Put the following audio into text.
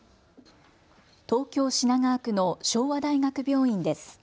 東京・品川区の昭和大学病院です。